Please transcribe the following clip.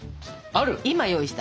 今用意した。